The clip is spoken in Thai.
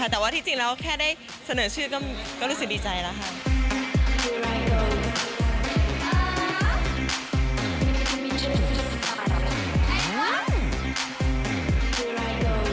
แต่ว่าที่จริงแล้วแค่ได้เสนอชื่อก็รู้สึกดีใจแล้วค่ะ